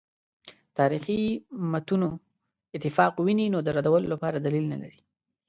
تاریخي متونو اتفاق ویني نو د ردولو لپاره دلیل نه لري.